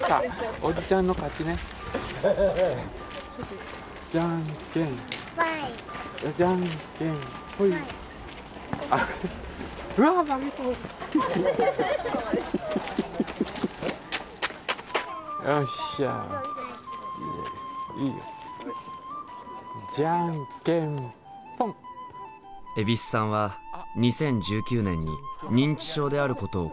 蛭子さんは２０１９年に認知症であることを公表しました。